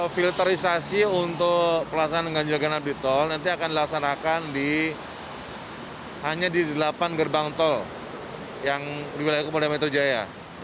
filterisasi untuk pelaksanaan ganjel genap di tol nanti akan dilaksanakan hanya di delapan gerbang tol yang mulai dari meter jaya